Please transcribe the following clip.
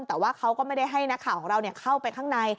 แต่ว่าเขาก็ไม่ได้ให้นักข่าวของเราเข้าไปข้างใน